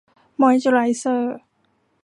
มอยซ์เจอร์ไรเซอร์